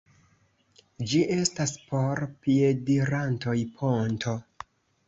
Ĝi estas por piedirantoj ponto.